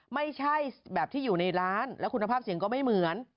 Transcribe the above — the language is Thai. ไม่ใช่แบบที่อยู่ในร้านแล้วคุณภาพเสียงก็ไม่เหมือน